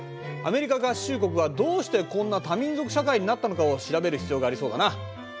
アメリカ合衆国はどうしてこんな多民族社会になったのかを調べる必要がありそうだな。